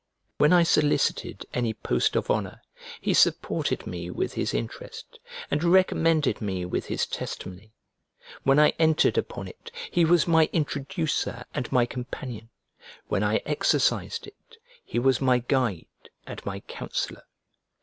When I solicited any post of honour, he supported me with his interest, and recommended me with his testimony; when I entered upon it, he was my introducer and my companion; when I exercised it, he was my guide and my counsellor.